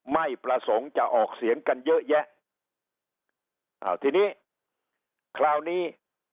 ไม่ประสงค์จะออกเสียงกันเยอะแยะอ่าทีนี้คราวนี้